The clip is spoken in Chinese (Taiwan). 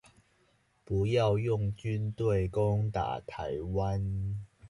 不要用軍隊攻打台灣